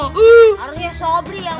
harusnya sobri yang menerima